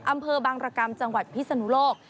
อำเภอบางรกรรมจังหวัดพิศนุโลก